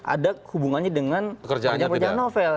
ada hubungannya dengan kerja kerja novel